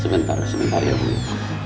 sebentar sebentar ya ibu